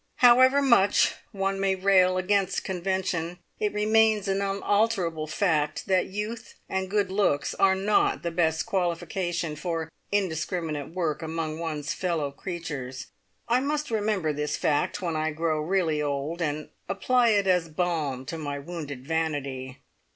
However much one may rail against convention, it remains an unalterable fact that youth and good looks are not the best qualification for indiscriminate work among one's fellow creatures. I must remember this fact when I grow really old, and apply it as balm to my wounded vanity.